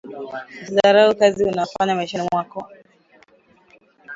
Usi zarau kazi unayo fanya maishani mwako